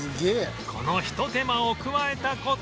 このひと手間を加えた事で